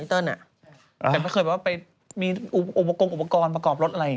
แต่ไม่เคยไปมีอุปกรณ์ประกอบรถอะไร